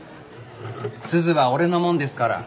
鈴は俺のもんですから。